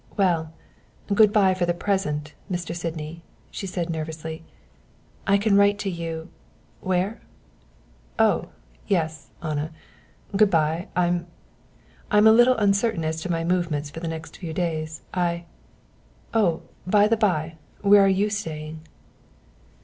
"Well good bye for the present, Mr. Sydney," she said nervously, "I can write to you where?" "Oh, yes Anna good bye. I I'm a little uncertain as to my movements for the next few days. I oh, by the bye, where are you staying?"